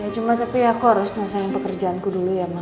cuma tapi aku harus nyasain pekerjaanku dulu ya ma